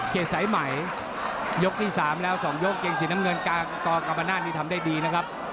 สายใหม่ยกที่๓แล้ว๒ยกเกงสีน้ำเงินกลางกกรรมนาศนี่ทำได้ดีนะครับ